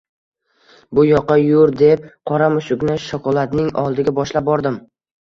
Bu yoqqa yur, deb qora mushukni shokoladning oldiga boshlab bordim